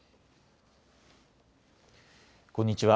こんにちは。